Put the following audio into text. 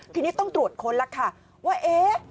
ทีนี้ต้องตรวจค้นแล้วค่ะว่าเอ๊ะ